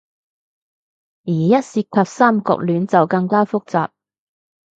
而一涉及三角戀，就更加複雜